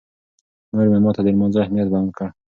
مور مې ماته د لمانځه اهمیت بیان کړ.